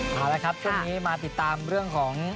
เอาละครับช่วงนี้มาติดตามเรื่องของ